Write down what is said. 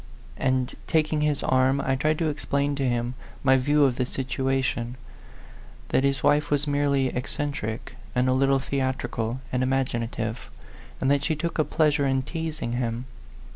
And, taking his arm, I tried to explain to him my view of the situation that his wife was merely eccentric, and a little theatrical and imaginative, and that she took a pleas ure in teasing him.